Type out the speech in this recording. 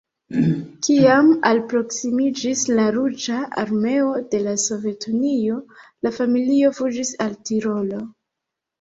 Kiam alproksimiĝis la Ruĝa Armeo de la Sovetunio, la familio fuĝis al Tirolo.